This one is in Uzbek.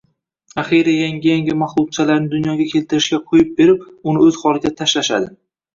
Axiyri, yangi-yangi mahluqchalarni dunyoga keltirishiga qo`yib berib, uni o`z holiga tashlashadi